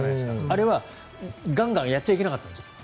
あれは、ガンガンやっちゃいけなかったんですよ。